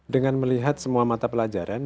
dengan melihat semua mata pelajaran